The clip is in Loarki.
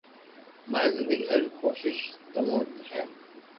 ماري زندگي ھر ڪوݾݾ تمو نت ھي